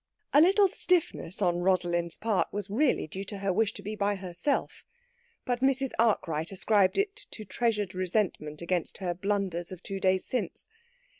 A little stiffness on Rosalind's part was really due to her wish to be by herself, but Mrs. Arkwright ascribed it to treasured resentment against her blunders of two days since.